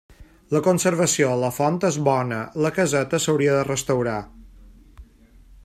La conservació de la font és bona, la caseta s'hauria de restaurar.